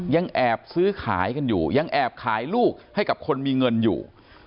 ยังแอบซื้อขายกันอยู่ยังแอบขายลูกให้กับคนมีเงินอยู่